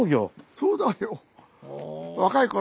そうだよ。